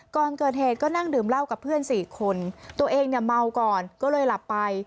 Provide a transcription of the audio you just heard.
ก่อนเกิดเหตุก็นั่งดื่มเหล้ากับเพื่อนสี่คนตัวเองเนี่ยเมาก่อนก็เลยหลับไป